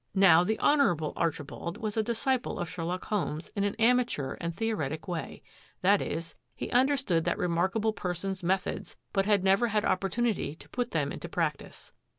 Now the Honourable Archibald was a. disciple of Sherlock Holmes in an amateur and theoretic way ; that is, he imderstood that remark able person's methods but had never had oppor tunity to put them into practise.